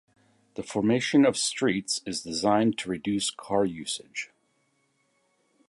The formation of streets is designed to reduce car usage.